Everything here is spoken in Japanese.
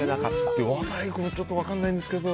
和太鼓はちょっと分からないですけど